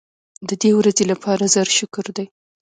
د دې ورځې لپاره زر شکر دی.